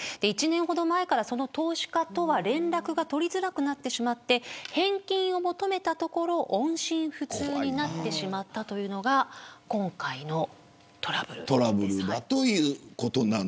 １年ほど前からその投資家とは連絡が取りづらくなってしまって返金を求めたところ音信不通になってしまったというのが今回のトラブルです。